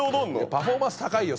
パフォーマンス高いよ。